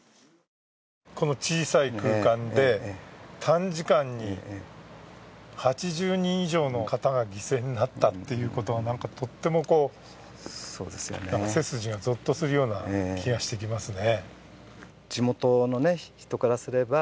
この小さい空間で短時間に８０人以上の方が犠牲になったということ、とっても背筋がゾッとするような気がしてきますね。